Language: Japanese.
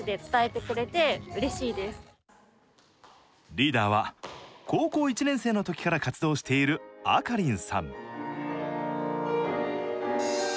リーダーは高校１年生の時から活動しているａｋａｒｉｎさん。